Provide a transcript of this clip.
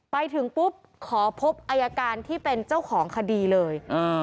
ไปถึงปุ๊บขอพบอายการที่เป็นเจ้าของคดีเลย